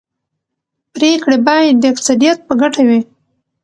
پرېکړې باید د اکثریت په ګټه وي